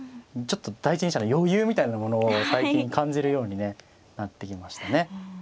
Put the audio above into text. ちょっと第一人者の余裕みたいなものを最近感じるようになってきましたね。